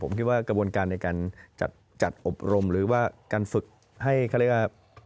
ผมคิดว่ากระบวนการในการจัดอบรมหรือว่าการฝึกให้เขาเรียกว่า